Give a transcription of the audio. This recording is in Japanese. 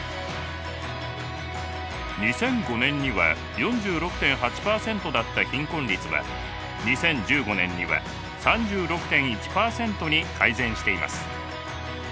２００５年には４６．８％だった貧困率は２０１５年には３６．１％に改善しています。